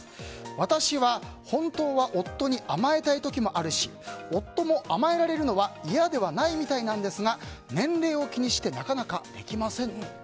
私は、本当は夫に甘えたい時もあるし夫も甘えられるのは嫌ではないみたいなんですが年齢を気にしてなかなかできませんと。